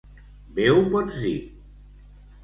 Bé ho pots dir!